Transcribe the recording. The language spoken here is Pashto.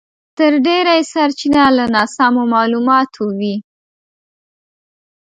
تر ډېره یې سرچينه له ناسمو مالوماتو وي.